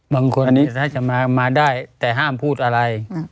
บางคนนี้ถ้าจะมาได้แต่ห้ามพูดอะไร